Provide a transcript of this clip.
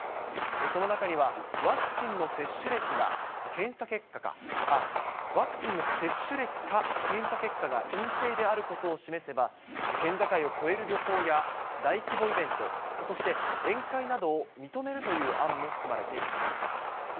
その中には、ワクチンの接種歴か、検査結果が陰性であることを示せば、県境を越える旅行や大規模イベント、そして、宴会などを認めるという案も含まれています。